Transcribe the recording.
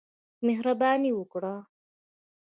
مهرباني وکړه.